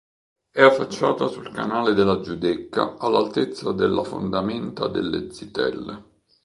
È affacciata sul Canale della Giudecca, all'altezza della fondamenta delle Zitelle.